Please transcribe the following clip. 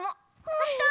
ほんと？